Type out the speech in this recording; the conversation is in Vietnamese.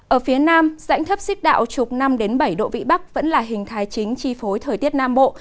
ở phía nam dãnh thấp xích đạo trục năm bảy độ vĩ bắc vẫn là hình thái chính chi phối thời tiết nam bộ